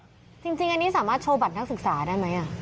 ลูกสามารถโชว์บัตรทางศึกษาได้ไหม